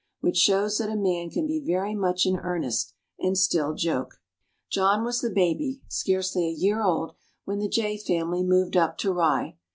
Which shows that a man can be very much in earnest and still joke. John was the baby, scarcely a year old, when the Jay family moved up to Rye.